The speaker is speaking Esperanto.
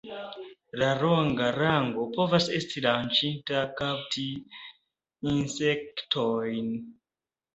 La longa lango povas esti lanĉita kapti insektojn.